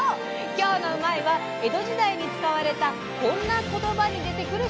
今日の「うまいッ！」は江戸時代に使われたこんな言葉に出てくる